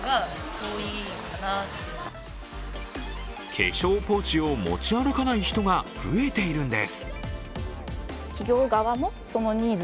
化粧ポーチを持ち歩かない人が増えているんです。